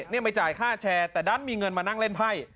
มาไปจ่ายค่าแชร์แต่ดัต็มีเงินนั่งเล่นไห้